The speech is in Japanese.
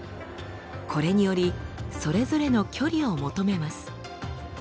これによりそれぞれの距離を求めます。